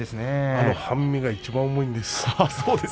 あの半身がいちばん重いんです。